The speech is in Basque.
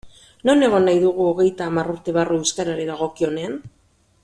Non egon nahi dugu hogeita hamar urte barru euskarari dagokionean?